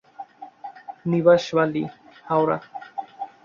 Nibas Bally, Howrah.